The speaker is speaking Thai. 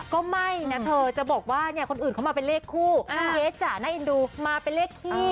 ก็ไม่นะเธอจะบอกว่าเนี่ยคนอื่นเขามาเป็นเลขคู่เอสจ่าน่าเอ็นดูมาเป็นเลขขี้